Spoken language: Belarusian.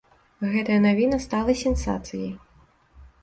Гэтая навіна стала сенсацыяй.